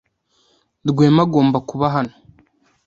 Rwema agomba kuba hano?